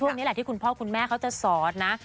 นี่แหละที่คุณพ่อคุณแม่เขาจะสอนนะ